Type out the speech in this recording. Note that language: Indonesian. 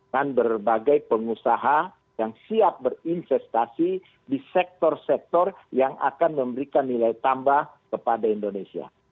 dan berbagai pengusaha yang siap berinvestasi di sektor sektor yang akan memberikan nilai tambah kepada indonesia